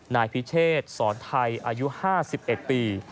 นายพิเชษสอนไทยอายุ๕๑ปี